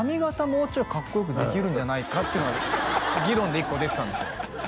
もうちょいかっこよくできるんじゃないかっていうのが議論で一個出てたんですよ